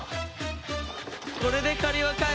これで借りは返したぜ！